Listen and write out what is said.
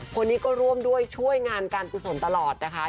คนนี้ก็ร่วมด้วยช่วยงานการกุศลตลอดนะคะ